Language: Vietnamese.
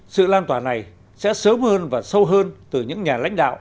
sự lan tỏa này sẽ sớm hơn và sâu hơn từ những nhà lãnh đạo